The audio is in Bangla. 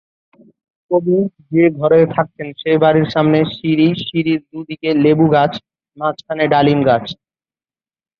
কবি যে ঘরে থাকতেন সে বাড়ির সামনে সিঁড়ি, সিঁড়ির দু’দিকে লেবু গাছ, মাঝখানে ডালিম গাছ।